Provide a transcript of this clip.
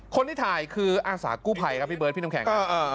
คนที่ถ่ายคืออาสากู้ภัยครับพี่เบิร์ดพี่น้ำแข็งครับ